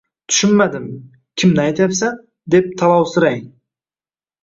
"Tushunmadim, kimni aytyapsan?" deb talmovsirang.